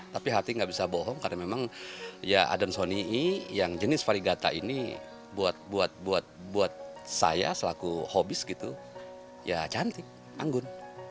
tapi hati nggak bisa bohong karena memang ya adan sonii ⁇ yang jenis varigata ini buat saya selaku hobis gitu ya cantik anggun